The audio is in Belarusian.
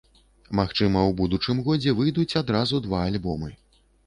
Магчыма, у будучым годзе выйдуць адразу два альбомы.